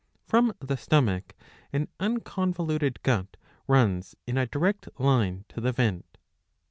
From the stomach an unconvoluted gut runs in a direct line to the vent.